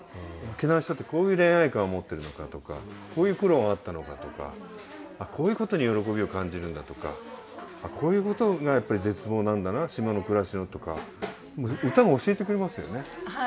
沖縄の人ってこういう恋愛観を持ってるのかとかこういう苦労があったのかとかこういうことに喜びを感じるんだとかこういうことがやっぱり絶望なんだな島の暮らしのとか唄が教えてくれますよね。